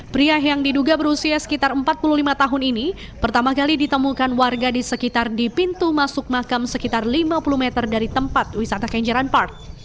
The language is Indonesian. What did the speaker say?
pria yang diduga berusia sekitar empat puluh lima tahun ini pertama kali ditemukan warga di sekitar di pintu masuk makam sekitar lima puluh meter dari tempat wisata kenjeran park